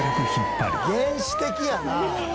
原始的やな！